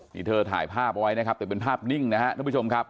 นี่เธอถ่ายภาพเอาไว้นะครับแต่เป็นภาพนิ่งนะครับทุกผู้ชมครับ